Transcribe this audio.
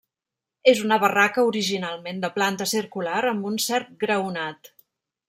És una barraca originalment de planta circular amb un cert graonat.